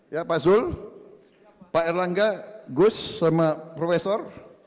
ya pak zul pak erlangga gus sama profesor